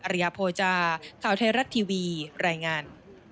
อริยโภจารย์ข่าวไทยรัตน์ทีวีรายงาน